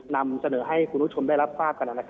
นำเสนอให้คุณผู้ชมได้รับทราบกัน